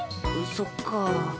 そっか。